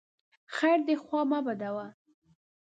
خیر دی خوا مه بدوه !